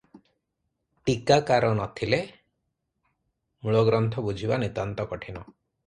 ଟୀକାକାର ନଥିଲେ ମୂଳଗ୍ରନ୍ଥ ବୁଝିବା ନିତାନ୍ତ କଠିନ ।